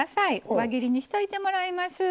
輪切りにしといてもらいます。